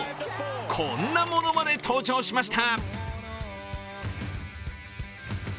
こんなものまで登場しました。